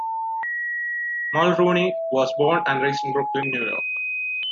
Mulrooney was born and raised in Brooklyn, New York.